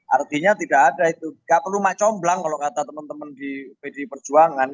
artinya tidak ada itu gak perlu macomblang kalau kata teman teman di pd perjuangan